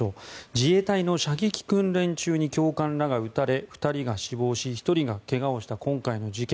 自衛隊の射撃訓練中に教官らが撃たれ２人が死亡し１人が怪我をした今回の事件。